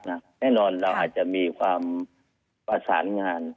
แน่นอนเราอาจจะมีความประสานงาน